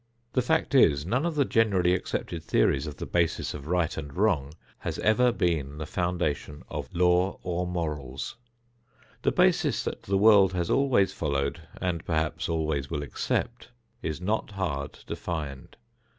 The fact is, none of the generally accepted theories of the basis of right and wrong has ever been the foundation of law or morals. The basis that the world has always followed, and perhaps always will accept, is not hard to find.